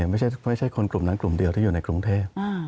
ไม่ใช่คนกลุ่มนั้นกลุ่มเดียวที่อยู่ในกรุงเทพ